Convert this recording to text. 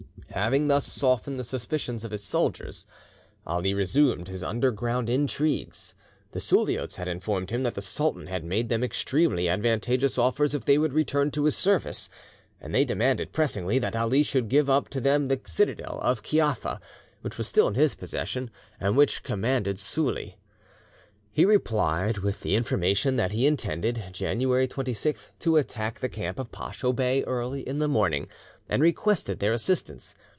Having thus softened the suspicions of his soldiers, Ali resumed his underground intrigues. The Suliots had informed him that the sultan had made them extremely advantageous offers if they would return to his service, and they demanded pressingly that Ali should give up to them the citadel of Kiapha, which was still in his possession, and which commanded Suli. He replied with the information that he intended, January 26, to attack the camp of Pacho Bey early in the morning, and requested their assistance.